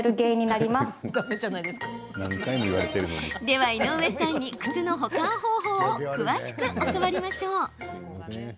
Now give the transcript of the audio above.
では井上さんに靴の保管方法を詳しく教わりましょう。